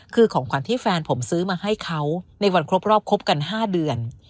คือของขวัญที่แฟนผมซื้อมาให้เขาในวันครบรอบคบกัน๕เดือน